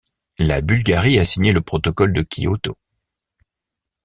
La Bulgarie a signé le protocole de Kyoto.